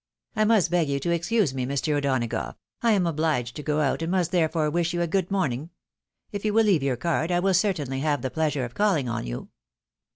I must beg you to excuse me, Mr. O'Donagough, I am obUged to go out, and must therefore wish you a good morning. If you will leave your card, I will certainly have the pleasure of calling on you."